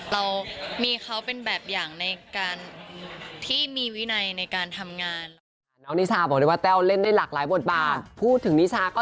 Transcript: เรามีเขาเป็นแบบอย่างในการที่มีวินัยในการทำงาน